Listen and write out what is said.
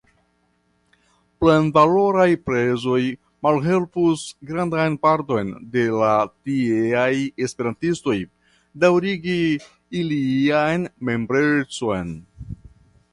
Plenvaloraj prezoj malhelpus grandan parton de la tieaj Esperantistoj daŭrigi ilian membrecon.